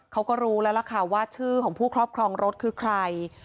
เขาก็รู้แล้วล่ะค่ะว่าชื่อของผู้ครอบครองรถคือใคร